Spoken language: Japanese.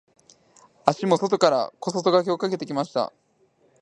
足も外から小外掛けをかけてきました。